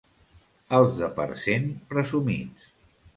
Els de Parcent, presumits.